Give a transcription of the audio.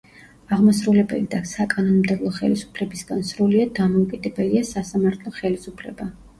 აღმასრულებელი და საკანონმდებლო ხელისუფლებისგან სრულიად დამოუკიდებელია სასამართლო ხელისუფლება.